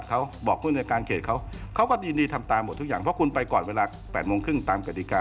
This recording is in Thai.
เค้าก็ยินดีที่ทำตามทุกอย่างเพราะคุณก็ไปก่อนเวลา๘โมงครึ่งตามกระดิกา